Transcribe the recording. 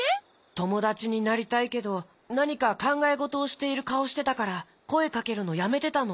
ともだちになりたいけどなにかかんがえごとをしているかおしてたからこえかけるのやめてたの。